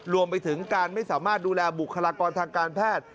รวมไปถึงการไม่สามารถดูแลบุคลากรทางการแพทย์